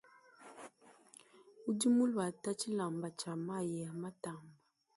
Udi muluate tshilamba tshia mayi a matamba.